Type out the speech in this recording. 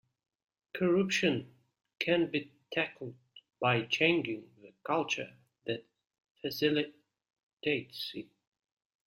Corruption can be tackled by changing the culture that facilitates it.